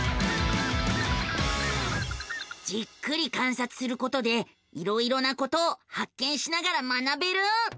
じっくり観察することでいろいろなことを発見しながら学べる。